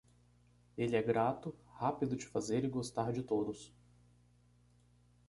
Ele é grato, rápido de fazer e gostar de todos.